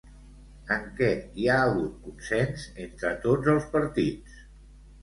En què hi ha hagut consens entre tots els partits?